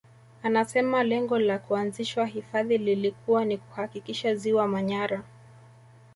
Anasema lengo la kuanzishwa hifadhi lilikuwa ni kuhakikisha Ziwa Manyara